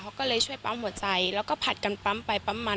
เขาก็เลยช่วยปั๊มหัวใจแล้วก็ผัดกันปั๊มไปปั๊มมัน